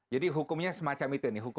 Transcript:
jadi hukumnya semacam itu nih